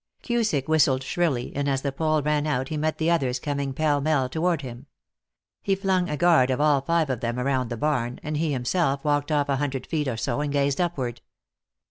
Cusick whistled shrilly, and as the Pole ran out he met the others coming pell mell toward him. He flung a guard of all five of them around the barn, and himself walked off a hundred feet or so and gazed upward.